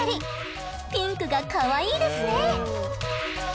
ピンクがかわいいですね。